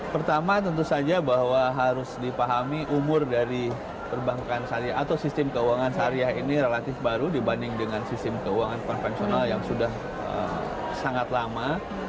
pertama tentu saja bahwa harus dipahami umur dari perbankan syariah atau sistem keuangan syariah ini relatif baru dibanding dengan sistem keuangan konvensional yang sudah sangat lama